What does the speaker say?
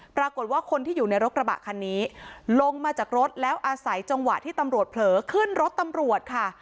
ปรากฏว่าคนที่อยู่ในรถกระบะคันนี้ลงมาจากรถแล้วอาศัยจังหวะที่ตำรวจเผลอขึ้นรถตำรวจค่ะ